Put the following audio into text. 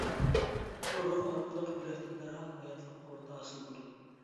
بۇ روھ ئارقىلىق يۈرەكتە دەرھال ھاياتلىق قۇۋۋىتى ھاسىل بولىدۇ.